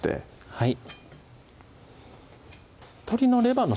はい